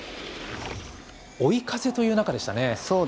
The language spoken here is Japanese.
追い風という中でしたね。